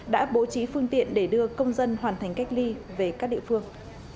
đã bố trí phương tiện để đưa công dân hoàn thành cách ly về các địa phương